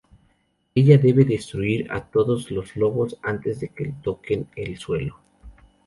Ella debe destruir a todos los lobos antes de que toquen el suelo.